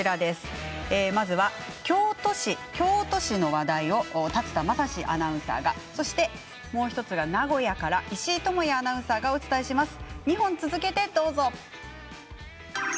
まずは京都市の話題を竜田理史アナウンサーがそして名古屋から石井智也アナウンサーがお伝えします。